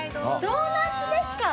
ドーナツですか？